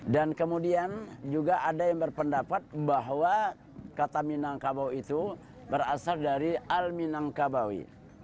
dan kemudian juga ada yang berpendapat bahwa kata minangkabau itu berasal dari al minangkabawi